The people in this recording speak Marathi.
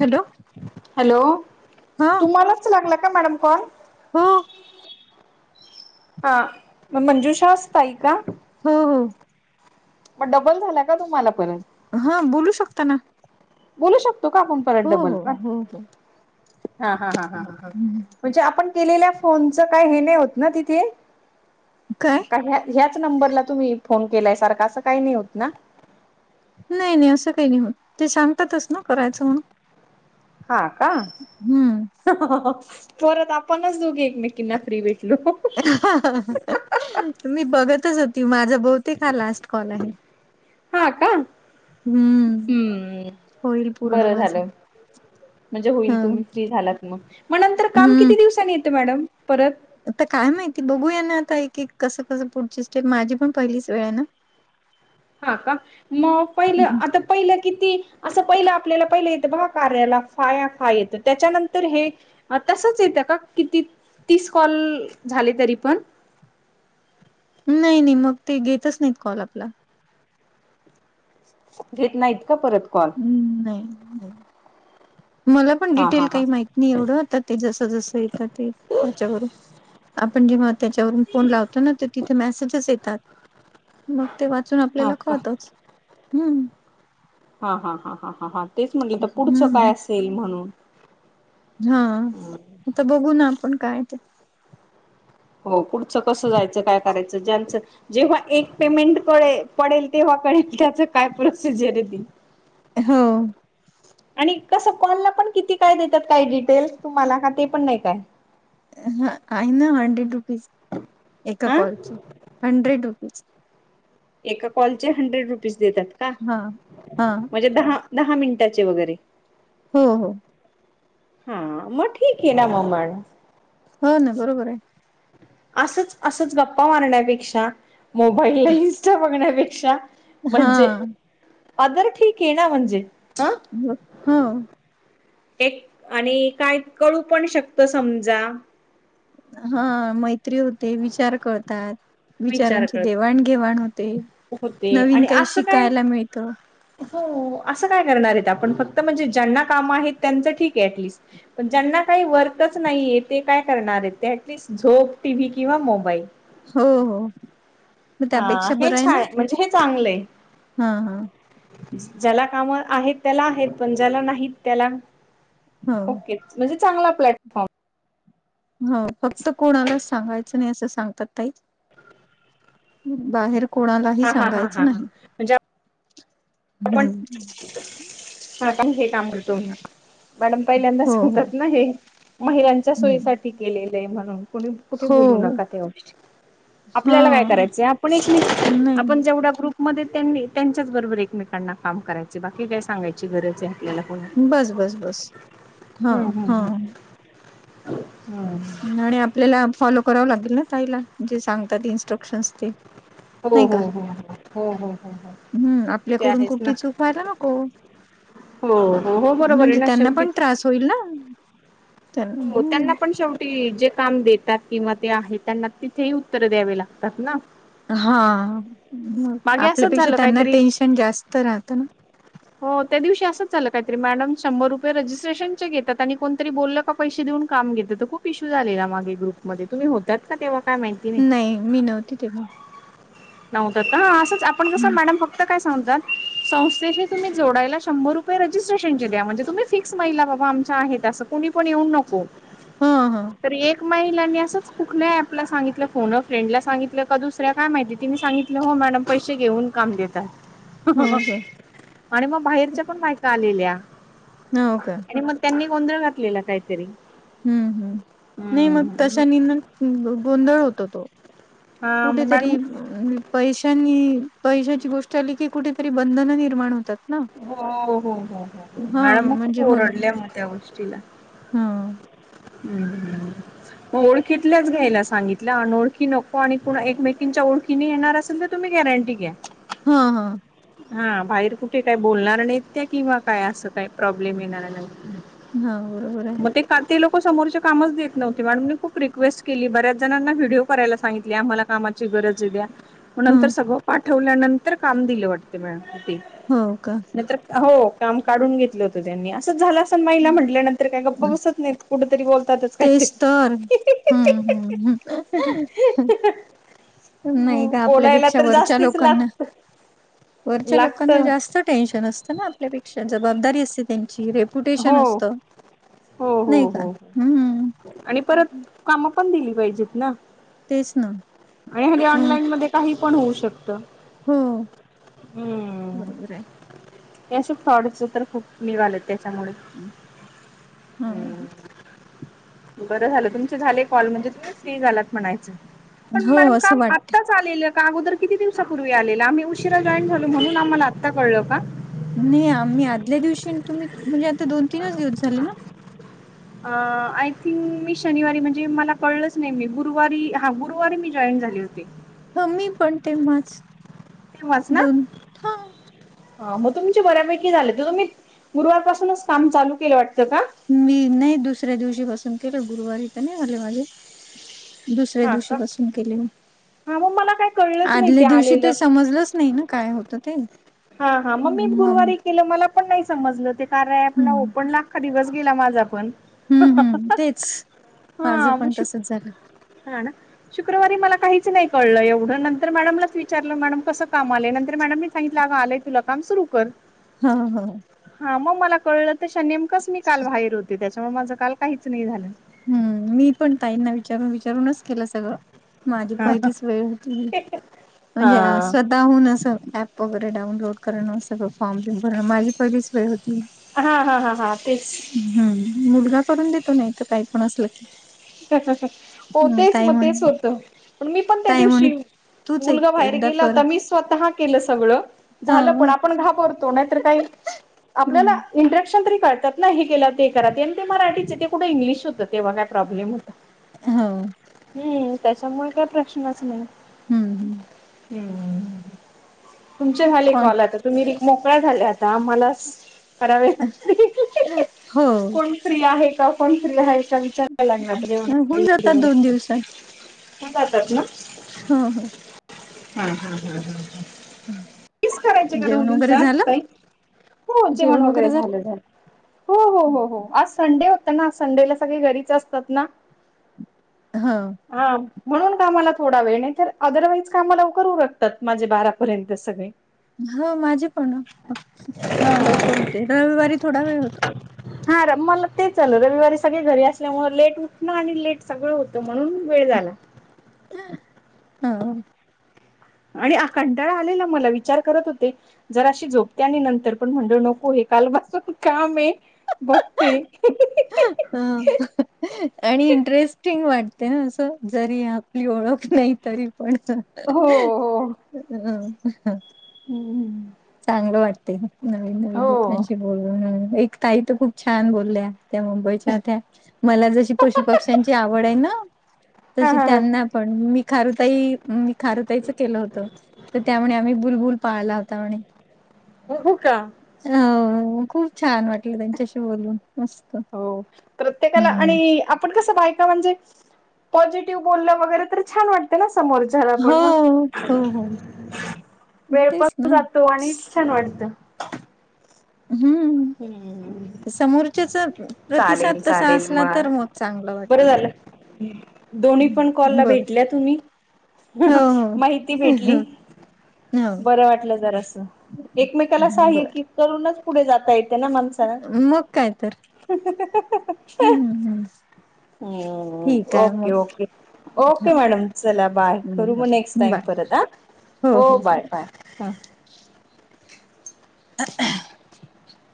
हॅलो. हॅलो, हा तुम्हालाच लागला का मॅडम कॉल? हो. हा, म मंजुषा ताई का? हो, हो, मग डबल झालाय का तुम्हाला परत? हा बोलू शकता ना. बोलू शकतो का आपण परत हो डबल? हो हो हो हा हा हा हा म्हणजे आपण केलेल्या फोनच काय हे नाही होत ना तिथे? काय का ह्या ह्याच नंबरला तुम्ही फोन केलाय सारख असं काही नाही होत ना? नाही नाही असं काही नाही होत. ते सांगतातच ना करायचं म्हणून. हा का. हम्म. परत आपणच दोघे एकमेकीकींना फ्री भेटलो. मी बघतच होती माझा बहुतेक हा लास्ट कॉल आहे. हा का? हम्म, होईल पूर्ण बरं माझ झालं. म्हणजे ह होईल तुम्ही फ्री झालात मग, मग नंतर काम हम्म किती दिवसांनी येते मॅडम परत? आता काय माहिती बघूया ना आता एक कसं कसं पुढची स्टेप माझी पण पहिलीच वेळ आहे ना. हा का, मग पहिलं आता पहिलं किती असं पहिलं आपल्याला पहिलं येत बा कार्याला फाया फा येतं त्याच्यानंतर हे तसच येतं का किती तीस कॉल झाले तरी पण? नाही नाही मग ते घेतच नाहीत कॉल आपला. घेत नाहीत का परत कॉल? हम्म, नाही. नाही मला पण हा डिटेल हा हा काही माहीत नाही एवढं तर ते जसं जसं येतं ते त्याच्यावरून आपण जेव्हा त्याच्यावरून फोन लावतो ना, त तिथे मेसेजेस येतात. मग ते वाचून हा आपल्याला का कळतच. हम्म. हा हा हा हा हा तेच म्हटलं, आता पुढचं हम्म काय असेल? म्हणून. ह. आता बघू ना आपण काये ते. हो पुढचं कसं जायचं. काय करायचं. ज्यांचं जेव्हा एक पेमेंट पळे पडेल, तेव्हा कळेल त्याचं काय प्रोसिजर ती. हो. आणि कसं कोनला पण किती काय देतात. काही डिटेल्स तुम्हाला. का ते पण नाही काय. हा आहे ना. Hundred rupees. एका हा कॉलचे. Hundred rupees. एका कॉलचे हंड्रेड रुपीज देतात का? हा हा म्हणजे दहा दहा मिनिटाचे वगैरे. हो हो. हा म ठीके ना. म म हो ना. बरोबरे. असंच असंच गप्पा मारण्यापेक्षा, मोबाईल ला इन्स्टा बघण्यापेक्षा, म्हणजे, हा ऑदर ठीके ना म्हणजे. ह हो. एक आणि काय कळू पण शकत समजा. ह मैत्री होते. विचार करळतात. विचार विचारांची करत देवाणघेवाण होते. होते नवीन आणि काही असं काय शिकायला मिळतं. हो असं काय करणारेत आपण. फक्त म्हणजे ज्यांना काम आहेत. त्यांचं ठीके अॅटलिस्ट. पण ज्यांना काही वर्कच नाहीये, ते काय करणारे. ते अॅटलिस्ट झोप, टीव्ही किंवा मोबाईल. हो हो. मग हा त्यापेक्षा हे छा, म्हणजे हे चांगलंय. ह ह. ज्याला काम आहेत, त्याला आहेत. पण ज्याला नाहीत त्याला हो ओके. म्हणजे चांगला प्लॅट हो फक्त कोणाला सांगायचं नाही. असं सांगतात ताई. बाहेर कोणालाही हा हा हा हा हा सांगायचं नाही. म्हणजे आपण हम्म का हे काम करतो. मॅडम पहिल्यांदा हो हो सांगतात ना हे. महिलांच्या हम्म सोयीसाठी केलेलंय म्हणून. कुणी कुठे हो बोलू नका त्या गोष्टी. हा आपल्याला काय करायचंय. आपण एकमेकी नाही आपण जेवढा ग्रुप मध्ये त्यांनी त्यांच्याच बरोबर एकमेकांना काम करायचय. बाकी काय सांगायची गरजे. बस बस बस. ह ह. ह. आणि आपल्याला फॉलो करावं लागेल ना ताईला. जे सांगतात इन्स्ट्रक्शन्स ते. हो नाही हो का हो. हो हो हो हो. हम्म. ते आपल्याकडून आहेच ना कुठली चूक व्हायला नको. हो हो हो बरोबर आहे म्हणजे ना त्यांना शेवटी पण त्रास होईल ना. त्यांना हो हम्म त्यांना पण शेव ते जे काम देतात. किंवा ते आहे. त्यांना तिथेही उत्तर द्यावे लागतात ना. हा, मागे असंच आपल्यापेक्षा झालं त्यांना काहीतरी टेन्शन जास्त राहतं ना. हो त्या दिवशी असंच झालं काहीतरी. मॅडम शंभर रुपये रजिस्ट्रेशनचे घेतात. आणि कोणतरी बोल पैसे देऊन काम घेत त खूप इश्यू झालेला मागे ग्रुप मध्ये. तुम्ही होतात का तेव्हा काय माहिती नाही. मी तिथे बघ. नव्हतंत का ह असंच आपण कस ह मॅडम फक्त काय. सांगतात संस्थेची तुम्ही जोडायला शंभर रुपये रजिस्ट्रेशन चे घ्या म्हणजे तुम्हीच. फिक्स महिला बाबा आमच्या आहेत असं कुणी पण येऊ नको. ह ह, तर एक महिलानी असंच कुठल्या ऍपला सांगितलं फोन फ्रेंडला सांगितलं का दुसऱ्या काय माहिती. तिने सांगितले हो मॅडम पैसे घेऊन काम देतात. हो का आणि मग बाहेरच्या पण मायका आलेल्या हो का आणि मग. त्यांनी गोंधळ घातलेला काहीतरी. हम्म हम्म नाही मग तशा नि गोंधळ होतो तो. कुठे तरी. मी पैशानी पैशाची गोष्ट आली की कुठेतरी बंधन निर्माण होतात. ना हो हो हो हो हो, हा मॅड मग म्हणजे ओरडले मग त्या गोष्टीला. हा, हम्म हम् [inaudible] मग ओळखील्याच घ्यायला सांगितल्या आणि ओळखी नको आणि कोण एकमेकींच्या ओखीने येणार असेल तर. तुम्ही गॅरंटी घ्या. हा हा, हा बाहेर कुठे काही बोलणार नाहीत त्या किंवा काय असं काही प्रॉब्लेम येणार नाही. हा बरोबर आहे. मग ते काल ते लोंक समोरचे कामच देत नव्हते मॅडम मी खूप रिक्वेस्ट केली बऱ्याच जणांना व्हिडिओ करायला सांगितली आम्हाला कामात. ची गरज द्या मग नंतर ह सगळ पाठवल्यानंतर काम दिलं वाटत मॅडमनी. हो का, तर हो काम काढून घेतलं होत त्यांनी असंच झालं अस माईला म्हटल्या. नंतर काय गप्पा बसत नाहीत कुठ तरी बोलतातच काय ते. तेच तर हम्म हम्म नाही का बोलायला आपल्यापेक्षा तर वरच्या जास्तीच लोकांना. लागत वरच्या लागत लोकांना जास्त टेन्शन असतं ना आपल्यापेक्षा जबाबदारी असते त्यांची रे''--'' पुटेशन हो असत हो नाही हो का हो हम्. आणि परत कामं पण दिली पाहिजेत ना. तेच ना. आणि हेनी ऑनलाईन मध्ये काही पण होऊ शकत. हम्म. हम्म बरोबर आहे. ये अस फ्रॉडच तर खूप निघालेत. त्याच्यामुळे हम्म. ह बरं झालं तुमचे झालेत कॉल म्हणजे तुम्ही फ्री झालात म्हणायचं. पण हो मॅडम असं काम वाटते आत्ताच आलेलं अगोर कितीवसापूर्वी आलेलं आम्ही उशिरा. उशिरा ऐकवा जॉन झाल म्हणून आम्हाला आता कळल का. नाही आम्ही आदल्या दिवशी तुम्ही म्हणजे आता दोन-तीनच दिवस झाले ना. [inaudible] अ आय थिंक मी शनिवारी म्हणजे मला कळलंच नाही मी गुरुवारी हा. गुरुवारी मी जॉईन झाली होते. ह मी पण तेव्हाच दोन हा. ह मग तुमचे बऱ्यापैकी झाले तर तुम्ही गुरुवारपासूनच काम चालू केलं वाटतं का. मी नाही दुसऱ्या दिवशी पासून केलं गुरुवारी तर नाही झाले माझे. दुसऱ्या हा दिवशी का? पासून केले मी. हा मग मला काय कळलंच नाही आदल्या दिवशी आलेलं ते समजलंच नाही ना काय होतं ते. हा, हा म मी मग गुरुवारी केलं, मला पण नाही समजलं ते. कार्या ॲपला हम्म ओपनला आख्खा दिवस गेला माझा पण. हम्म हम्म तेच हा माझं म पण शु तसच झालं हा ना. शुक्रवारी मला काहीच नाही कळलं एवढं, नंतर मॅडमलाच विचारलं मॅडम कसं काम आले नंतर मॅडम नी सांगि लागा आलाय तुला काम सुरू कर. हा हा हा! हा मग मला कळलं तशा नेमकंच मी काल बाहेर होते, त्याच्यामुळे माझं काल काहीच नाही झालं. हूं, मी पण ताईंना विचारून विचारूनच केलं सगळं. माझी हा पहिलीच वेळ होती, म्हणजे आ सद. ताहून असं ऍप वगैरे डाऊनलोड करणं, सगळं फॉर्म बिम भरणं, माझी पहिलीच वेळ होती. हा हा हां हां, तेच. हूं मुलगा करून देतो नाही त काही पण असल की. हो अ तेच ताई मग तेच म्हणे होतं पण मी पण त्या ताई म्हणे दिवशी तूच एक मुलगा बाहेर एकदा गेला कर तर मीस स्वतः केलं सगळ झालं हो पण, आपण घाबरतो नाहीतर काही आपल्याला इंट्रॅक्शन तरी कळतात ना हे केलं ते करा तेन ते मराठीच हे ते कुठ इंग्लिश होतं तेवा रॅप रॉप. ब्लेम होता. हो! हूं त्याच्यामुळ काय प्रश्नच नाही. हूं! हूं हूं हूं तुमचे झाले कोण कॉल आता. तुम्ही बी मोकळ्या झाल्या आता आम्हालास करावे. फ्री आहे का, हो कोण फ्री आहे का, विचारायला लागणार होऊन जातात दोन दिवसात [unintelligible] [unintelligible] जातात ना. हं हं! हं हं हं हं हं! तीस करायचे का दोन जेवण वगैरे दिवसात झालं ताई, हो जेवण वगैरे झालं, झालं. हो हो हो हो, आज संडे होता ना संडेला सगळे घरीच अस तात ना. हं! हा म्हणून कामाला थोडा वेळ, नाही तर अदरवाईज काम लवकत उरकतात माझे बारापर्यंत सगळे. हं माझे पण. [inaudible] लवकर होते, रविवारी थोडा वेळ होतो. हा र मला तेच आल रविवारी सगळे घरी असल्यामुळ लेट उठणं आणि लेट सगळं होतं म्हणून वेळ झाला. हं हं! आणि आकंटाळा आलेला मला विचार करत होते. जरा अशी झोपते आणि नंतर, पण म्हंनल नको हे कालपासून काम हे बघते. [inaudible] आणि इंटरेस्टिंग वाटते ना असं, जरी आपली ओळख नाही तरी पण. हो हो [inaudible] हूं हूं! चांगलं वाटतंय ना, नवीन नवीन लोकांशी बोलून, एक ताई तर खूप छान बोलल्या त्या मु बयच्या होत्या, मला जशी पशु पक्ष्यांची आवड आहे ना, हा तशी हा हा त्यांना पण मी खारुताई, मी खारुताईचं केलं होतं. तर त्या म्हणे आम्ही बुलबुल पाळला होता म्हणे. हो हो का? अ खूप छान वाटलं त्यांच्याशी बोलून मस् हो, प्रत्येकाला आणि आपण कसं बायका म्हणजे पॉझिटिव्ह बोललं वगैरे तर छान वाटते ना समोर चाला पण हो, मग, हो, हो वेळ पण तेच ना जातो आणि छान वाटतं. हम्म. समोरच्याचं प्रतिसाद चालेल तसा चालेल असला तर मग चांगलं बरं वाटते. झालं दोन्ही पण हम्म. कॉलला बर भेटल्या तुम्ही. हो, माहिती हो, भेटली. हो बरं वाटलं जरासं, एकमेकाला साह्य बर की करुनच पुढे जाता येते ना माणसाला. मग काय तर हम्म, हम्म हम्म, ठीक आहे ओके मग ओके. ओके हो मॅडम चला बाय, करू मग बर, नेक्स्ट टाइम बाय परत ह, हो बाय बाय. ह [unintelligible]